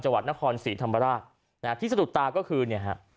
จังหวัดนครศรีธรรมราชที่สรุปตาก็คือ